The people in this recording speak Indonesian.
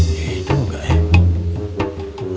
itu gak ya